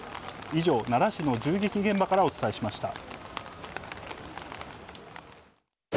以上、奈良市の銃撃現場からお伝えしました。